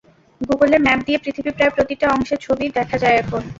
গুগলের ম্যাপ দিয়ে পৃথিবীর প্রায় প্রতিটা অংশের ছবি দেখা যায় এখন।